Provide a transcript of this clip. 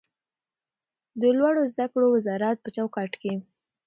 د لوړو زده کړو وزارت په چوکاټ کې